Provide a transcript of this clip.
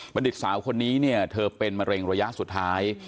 บรรดิษฐานเหรอจะเป็นมะเร็งระยะสุดท้าย